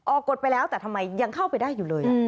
กฎไปแล้วแต่ทำไมยังเข้าไปได้อยู่เลย